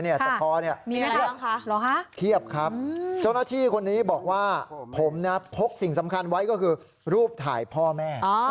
แต่คอเพียบครับเจ้าหน้าที่คนนี้บอกว่าผมพกสิ่งสำคัญไว้ก็คือรูปถ่ายพ่อแม่